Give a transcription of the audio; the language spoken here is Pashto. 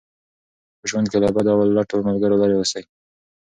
په ژوند کې له بدو او لټو ملګرو لرې اوسئ.